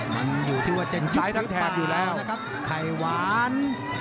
มันอยู่ที่ว่าจะยุบหรือเปล่านะครับไข่หวาน